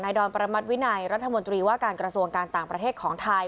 ดอนประมัติวินัยรัฐมนตรีว่าการกระทรวงการต่างประเทศของไทย